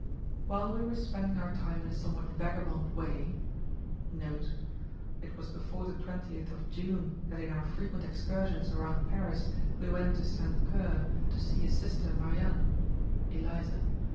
While we were spending our time in a somewhat vagabond way, [It was before the 20th of June that in our frequent excursions around Paris we went to St. Cyr to see his sister Marianne (Elisa).